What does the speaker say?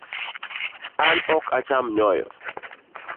An ok acham nyoyo